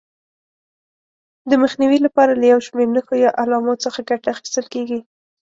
د مخنیوي لپاره له یو شمېر نښو یا علامو څخه ګټه اخیستل کېږي.